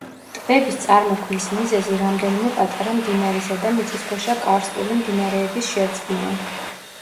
ტბების წარმოქმნის მიზეზი რამდენიმე პატარა მდინარისა და მიწისქვეშა კარსტული მდინარეების შერწყმაა.